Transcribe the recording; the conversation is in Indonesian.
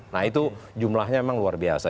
nah itu jumlahnya memang luar biasa